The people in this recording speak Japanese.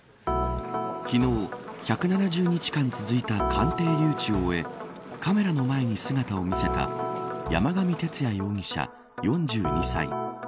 昨日、１７０日間続いた鑑定留置を終えカメラの前に姿を見せた山上徹也容疑者４２歳。